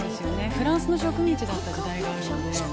フランスの植民地だった時代があるので。